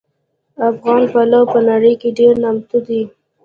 افغان پلو په نړۍ کې ډېر نامتو دي